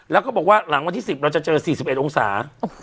แล้วก็บอกว่าหลังวันที่๑๐เราจะเจอ๔๑องศา